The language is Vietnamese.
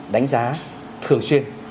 đánh giá thường xuyên